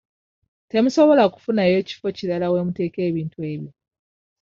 Temusobola kufunayo kifo kirala we muteeka bintu ebyo?